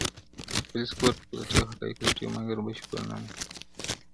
o پوليس کور پلټي او حقايق لټوي مګر بشپړ نه مومي,